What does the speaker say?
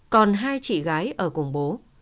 còn hai chị gái ở cùng bố